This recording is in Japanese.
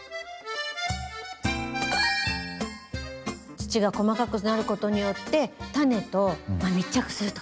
土が細かくなることによってタネと密着すると。